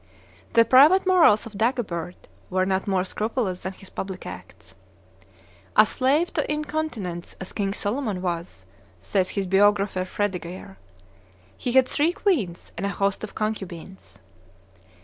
The private morals of Dagobert were not more scrupulous than his public acts. "A slave to incontinence as King Solomon was," says his biographer Fredegaire, "he had three queens and a host of concubines."